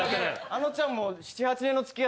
あのちゃんもう。